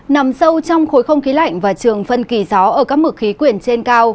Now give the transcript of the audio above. nằm sâu trong khối không khí lạnh và trường phân kỳ gió ở các mực khí quyển trên cao